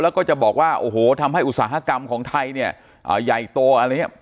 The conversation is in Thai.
แล้วก็จะบอกว่าโอ้โหทำให้อุตสาหกรรมของไทยเนี่ยใหญ่โตอะไรอย่างนี้